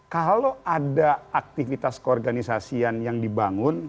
kalau ada aktivitas keorganisasian yang dibangun